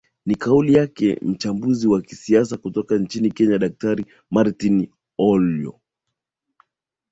ni kauli yake mchambuzi wa siasa kutoka nchini kenya daktari martin ollo